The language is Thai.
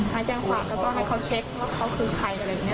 มาแจ้งความแล้วก็ให้เขาเช็คว่าเขาคือใครอะไรแบบนี้